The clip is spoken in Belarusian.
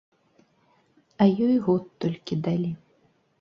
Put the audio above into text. А ёй год толькі далі.